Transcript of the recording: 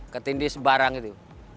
ketindih sebarang itu